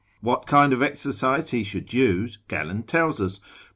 What kind of exercise he should use, Galen tells us, lib.